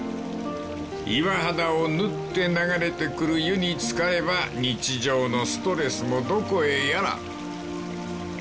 ［岩肌を縫って流れてくる湯に漬かれば日常のストレスもどこへやら］